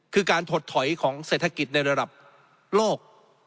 คือการถดถอยของเศรษฐกิจในระดับโลก